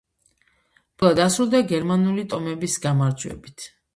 ბრძოლა დასრულდა გერმანული ტომების გამარჯვებით.